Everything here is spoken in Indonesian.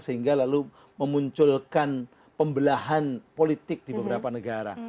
dan dia juga lalu memunculkan pembelahan politik di beberapa negara